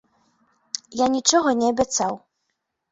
Я нічога не абяцаў.